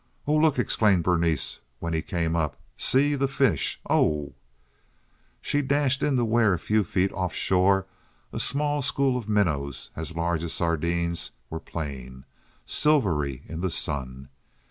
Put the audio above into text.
"Oh, look!" exclaimed Berenice, when he came up. "See, the fish! O oh!" She dashed in to where a few feet offshore a small school of minnows as large as sardines were playing, silvery in the sun.